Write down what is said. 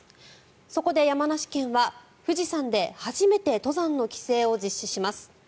そこで山梨県は富士山で初めて登山の規制を実施します。